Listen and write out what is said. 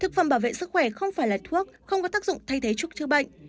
thực phẩm bảo vệ sức khỏe không phải là thuốc không có tác dụng thay thế chúc chữa bệnh